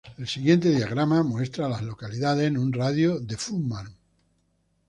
El siguiente diagrama muestra a las localidades en un radio de de Furman.